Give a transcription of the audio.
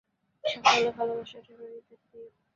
সকলকে ভালবাসা আশীর্বাদ ইত্যাদি দিও।